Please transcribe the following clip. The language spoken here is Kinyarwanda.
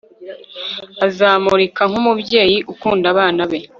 uzamurika nk'umubyeyi?ukunda abana be